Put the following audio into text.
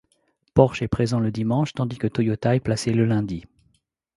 Porsche est présent le dimanche tandis que Toyota est placé le lundi.